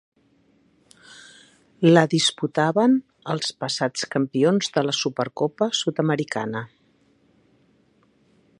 La disputaven els passats campions de la Supercopa Sud-americana.